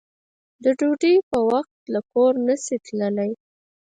د ډوډۍ په وخت کې له کوره نشې تللی